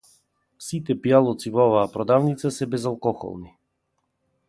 Сите пијалоци во оваа продавница се безалкохолни.